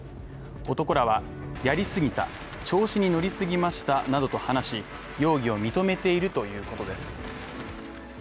男らはやりすぎた調子に乗りすぎましたなどと話し容疑を認めているということです。